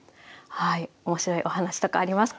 面白いお話とかありますか？